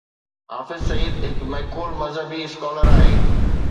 حافظ سعيد هڪ معقول مذهبي اسڪالر آهي.